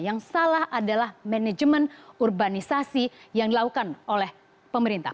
yang salah adalah manajemen urbanisasi yang dilakukan oleh pemerintah